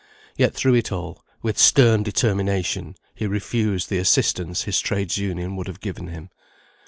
Yet through it all, with stern determination he refused the assistance his Trades' Union would have given him.